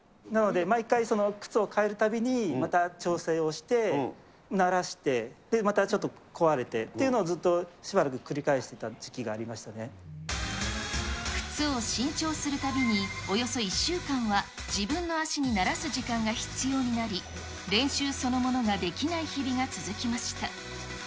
なので毎回靴を替えるたびに、また調整をして、慣らして、でまたちょっと壊れてっていうのをずっとしばらく繰り返していた靴を新調するたびに、およそ１週間は自分の足に慣らす時間が必要になり、練習そのものができない日々が続きました。